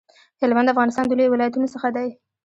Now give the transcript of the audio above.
هلمند د افغانستان د لویو ولایتونو څخه دی